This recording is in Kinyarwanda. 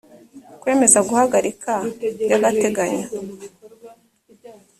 kwemeza guhagarika by’agateganyo